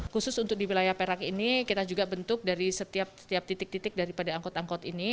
khusus untuk di wilayah perak ini kita juga bentuk dari setiap titik titik daripada angkot angkot ini